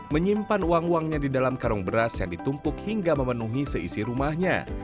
menyimpan uang uangnya di dalam karung beras yang ditumpuk hingga memenuhi seisi rumahnya